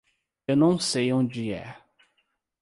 Eu não sei onde é.